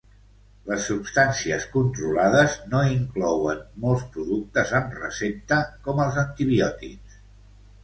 Les substàncies controlades no inclouen molts productes amb recepta com els antibiòtics.